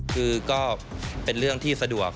คือก็เป็นเรื่องที่สะดวก